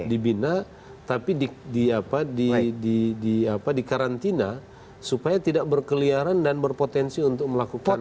dibina tapi dikarantina supaya tidak berkeliaran dan berpotensi untuk melakukan